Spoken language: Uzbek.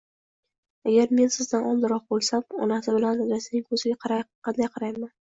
Agar men sizdan oldinroq oʻlsam, onasi bilan dadasining koʻziga qanday qarayman